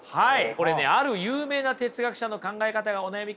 これねある有名な哲学者の考え方がお悩み